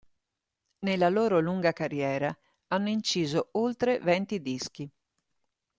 Nella loro lunga carriera hanno inciso oltre venti dischi.